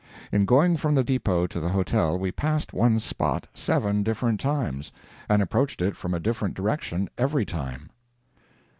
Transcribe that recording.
In going from the depot to the hotel we passed one spot seven different times and approached it from a different direction every time.